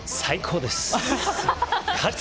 最高です。